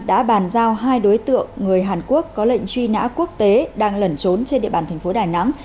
đã bàn giao hai đối tượng người hàn quốc có lệnh truy nã quốc tế đang lẩn trốn trên địa bàn tp đài nẵng